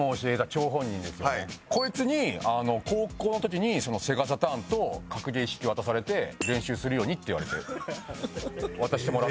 こいつに高校の時にセガサターンと格ゲー一式渡されて練習するようにって言われて渡してもらって。